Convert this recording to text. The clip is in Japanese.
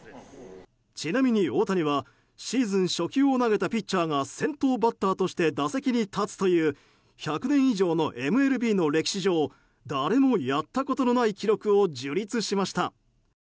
ちなみに大谷はシーズン初球を投げたピッチャーが先頭バッターとして打席に立つという１００年以上のＭＬＢの歴史上誰もやったことのない記録を樹立しました。